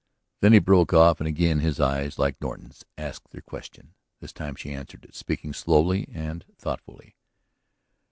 ..." Then he broke off and again his eyes, like Norton's, asked their question. This time she answered it, speaking slowly and thoughtfully.